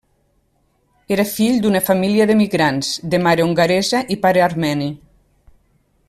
Era fill d'una família d'emigrants, de mare hongaresa i pare armeni.